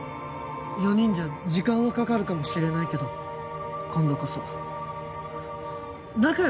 ４人じゃ時間はかかるかもしれないけど今度こそ仲良く頑張ろう。